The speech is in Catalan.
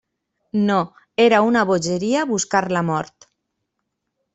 No; era una bogeria buscar la mort.